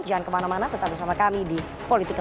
jangan kemana mana tetap bersama kami di politico show